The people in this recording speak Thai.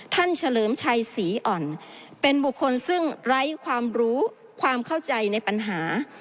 เฉลิมชัยศรีอ่อนเป็นบุคคลซึ่งไร้ความรู้ความเข้าใจในปัญหา